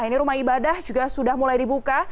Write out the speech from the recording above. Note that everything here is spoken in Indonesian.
ini rumah ibadah juga sudah mulai dibuka